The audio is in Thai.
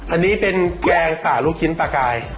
อันนี้เป็นแกงป่าลูกชิ้นปลากาย